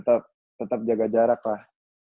tetap jaga jarak lah